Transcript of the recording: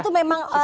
tapi kan itu memang